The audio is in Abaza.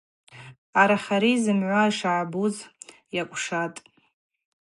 Арахьари зымгӏва йшыгӏбуз йакӏвшатӏ.